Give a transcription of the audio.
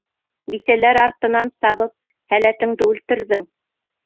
Бисәләр артынан сабып һәләтеңде үлтерҙең.